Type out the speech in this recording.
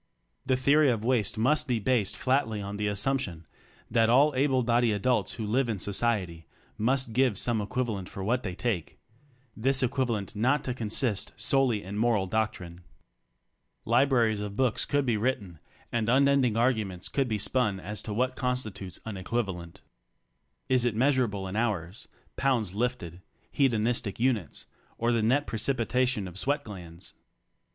The theory of waste must be based flatly on the assump tion that all able bodied adults who live in society, must give some equivalent for what they take — this equivalent not to consist solely in moral doctrine. Libraries of books could be written, and unending arguments could be spun as to what constitutes an "equivalent." Is it measurable in hours, pounds lifted, hedonistic units or the net precipitation of swcciL 2'l^"<^s